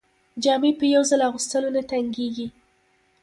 جامې په یو ځل اغوستلو نه تنګیږي.